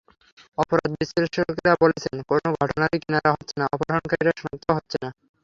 অপরাধ বিশ্লেষকেরা বলছেন, কোনো ঘটনারই কিনারা হচ্ছে না, অপহরণকারীরা শনাক্তও হচ্ছে না।